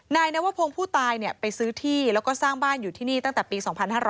นายนวพงศ์ผู้ตายไปซื้อที่แล้วก็สร้างบ้านอยู่ที่นี่ตั้งแต่ปี๒๕๕๙